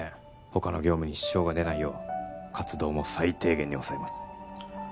他の業務に支障が出ないよう活動も最低限に抑えます